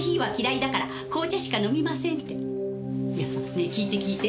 ねぇ聞いて聞いて。